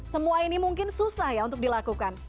semua ini mungkin susah ya untuk dilakukan